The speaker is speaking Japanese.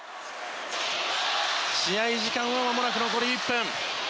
試合時間はまもなく残り１分。